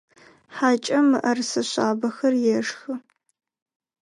Хьакӏэм мыӏэрысэ шъабэхэр ешхы.